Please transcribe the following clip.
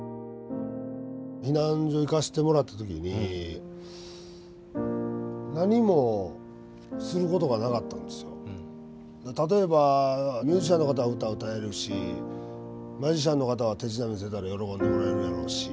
避難所行かせてもらった時に例えばミュージシャンの方は歌歌えるしマジシャンの方は手品見せたら喜んでもらえるやろうし。